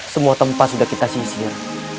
semua tempat sudah kita sisir